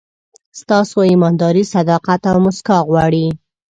ستاسو ایمانداري، صداقت او موسکا غواړي.